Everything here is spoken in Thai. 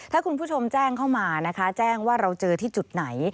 ถ้าคุณผู้ชมแจ้งเข้ามานะคะแจ้งว่าเราเจอที่จุดไหน